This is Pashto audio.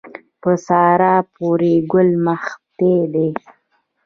په سارا پورې ګل مښتی دی.